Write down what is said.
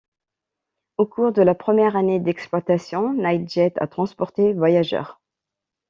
Au cours de la première année d'exploitation, Nightjet a transporté voyageurs.